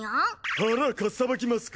腹かっさばきますか？